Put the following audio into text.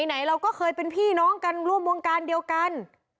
ไหนเราก็เคยเป็นพี่น้องกันร่วมวงการเดียวกัน